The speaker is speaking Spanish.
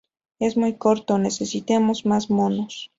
¡ Es muy corto! ¡ necesitamos más monos!